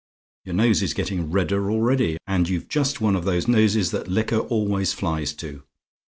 Your nose is getting redder already: and you've just one of the noses that liquor always flies to.